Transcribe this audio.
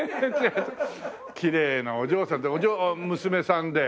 きれいなお嬢さん娘さんで。